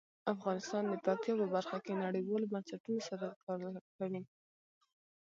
افغانستان د پکتیا په برخه کې نړیوالو بنسټونو سره کار کوي.